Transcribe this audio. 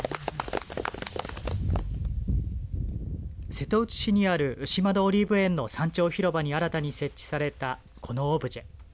瀬戸内市にある牛窓オリーブ園の山頂広場に新たに設置されたこのオブジェ。